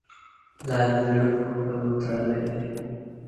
لا دي زړه پر ښکلو تړلی دی.